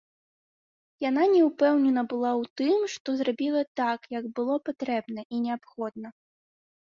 Яна не ўпэўнена была ў тым, што зрабіла так, як было патрэбна і неабходна.